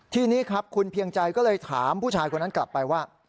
ทีนี้ครับคุณเพียงใจก็เลยถามผู้ชายคนนั้นกลับไปว่า